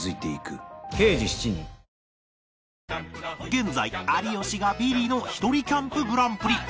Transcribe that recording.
現在有吉がビリのひとりキャンプグランプリ